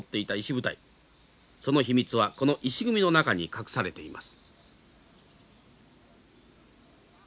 その秘密はこの石組みの中に隠されています。